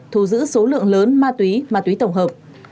thu giữ số lượng lớn ma túy ma túy tổng hợp